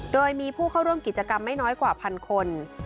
โดยมีผู้เข้าร่วมกิจกรรมไม่น้อยกว่าพันคน